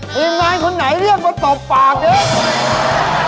ทีมงานคุณไหนเรียกมาตบปากนะ